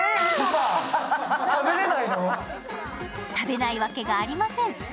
食べないわけがありません。